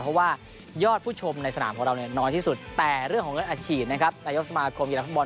เพราะว่ายอดผู้ชมในสนามของเรานอนที่สุดแต่เรื่องของเงินอาชีพนะครับในยอดสมาคมเย็นละพันธุ์บอล